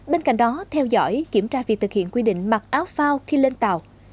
bên cạnh đó theo dõi kiểm tra việc thực hiện quy định mặc áo phao khi lên tàu